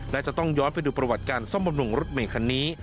และจะต้องย้อนไปดูประวัติการซ่อมบำรุงรถเมย์คันนี้